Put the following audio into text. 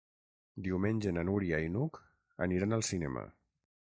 Diumenge na Núria i n'Hug aniran al cinema.